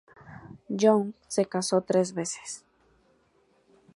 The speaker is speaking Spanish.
Young se casó tres veces.